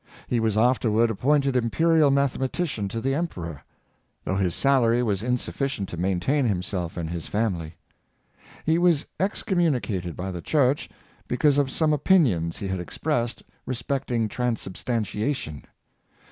He was afterward appointed imperial mathematician to the emperor; though his salary was insufficient to main tain himself and his family. He was excommunicated by the church because of some opinions he had ex pressed respecting transubstantiation.